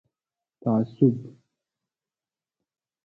تعصب